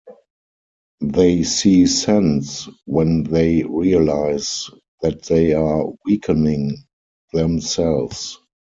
They see sense when they realise that they are weakening themselves.